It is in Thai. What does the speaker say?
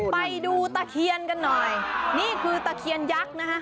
ไปดูตะเคียนกันหน่อยนี่คือตะเคียนยักษ์นะคะ